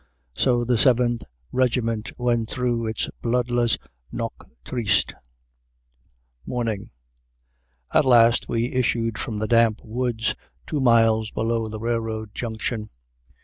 So the Seventh Regiment went through its bloodless Noche Triste. MORNING At last we issued from the damp woods, two miles below the railroad junction.